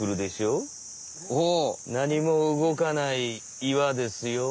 なにも動かない岩ですよ。